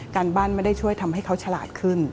การบ้านไม่ได้ช่วยทำให้เขาฉลาดขึ้น